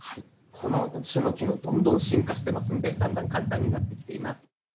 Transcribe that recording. この種の機能どんどん進化してますのでだんだん簡単になってきています。